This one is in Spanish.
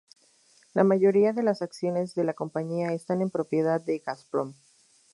La mayoría de las acciones de la compañía están en propiedad de Gazprom.